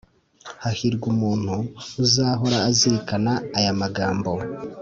Hahirwa umuntu uzahora azirikana aya magambo!